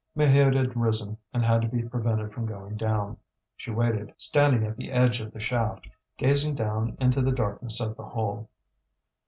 Maheude had risen, and had to be prevented from going down. She waited, standing at the edge of the shaft, gazing down into the darkness of the hole.